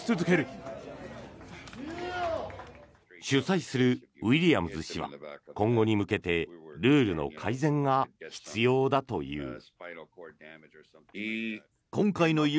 主催するウィリアムズ氏は今後に向けてルールの改善が必要だという。